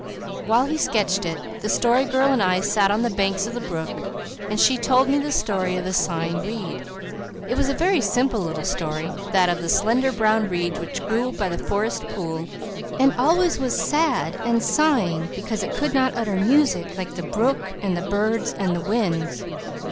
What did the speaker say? While he sketched it the Story Girl and I sat on the banks of the brook and she told me the story of the Sighing Reed. It was a very simple little story, that of the slender brown reed which grew by the forest pool and always was sad and sighing because it could not utter music like the brook and the birds and the winds.